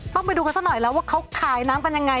ไปดูกันซะหน่อยแล้วว่าเขาขายน้ำกันยังไง